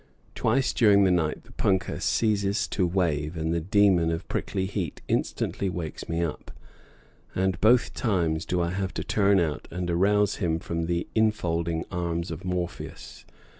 Twice during the night the punkah ceases to wave and the demon of prickly heat instantly wakes me up; and both times do I have to turn out and arouse him from the infolding arms of Morpheus.